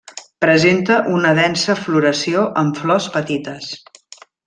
Presenta una densa floració amb flors petites.